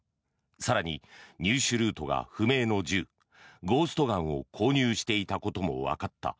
更に、入手ルートが不明の銃ゴーストガンを購入していたこともわかった。